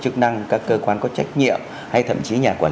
chức năng các cơ quan có trách nhiệm hay thậm chí nhà quản lý